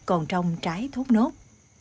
còn trong trái thốt nốt